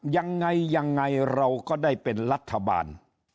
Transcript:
ยังไงยังไงเราก็ได้เป็นรัฐบาล